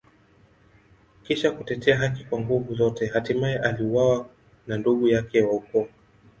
Kisha kutetea haki kwa nguvu zote, hatimaye aliuawa na ndugu yake wa ukoo.